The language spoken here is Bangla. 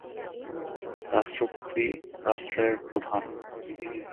রাষ্ট্রপতি রাষ্ট্রের প্রধান।